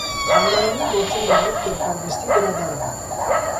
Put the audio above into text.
Թանգարանում գործում է նաև կերպարվեստի գրադարան։